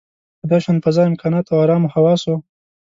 په داشان فضا، امکاناتو او ارامو حواسو.